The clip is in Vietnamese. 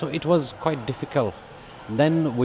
vì vậy nó rất khó